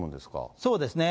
そうですね。